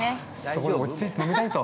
◆そこで落ちついて飲みたいと。